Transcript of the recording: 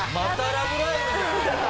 『ラブライブ！』。